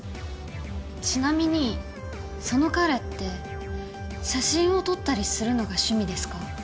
ちなみにその彼って写真を撮ったりするのが趣味ですか？